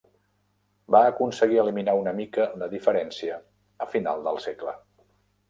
Va aconseguir eliminar una mica la diferència a final del segle.